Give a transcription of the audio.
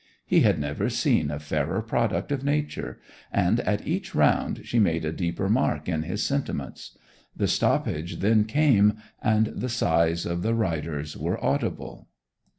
He had never seen a fairer product of nature, and at each round she made a deeper mark in his sentiments. The stoppage then came, and the sighs of the riders were audible.